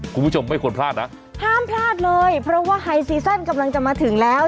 คุณผู้ชมไม่ควรพลาดนะห้ามพลาดเลยเพราะว่าไฮซีซั่นกำลังจะมาถึงแล้ว